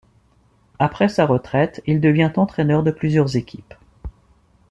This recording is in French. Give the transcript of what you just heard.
Après sa retraite, il devient entraîneur de plusieurs équipes.